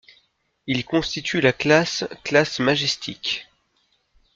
Ils constituent la classe classe Majestic.